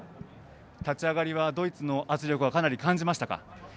立ち上がりはドイツの圧力かなり感じましたか？